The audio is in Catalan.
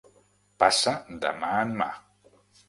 Passa de mà en mà.